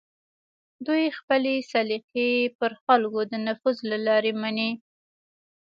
دوی خپلې سلیقې پر خلکو د نفوذ له لارې مني